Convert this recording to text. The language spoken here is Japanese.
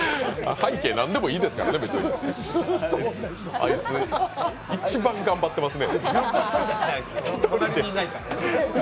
背景何でもいいですからね、あいつ一番頑張ってますね。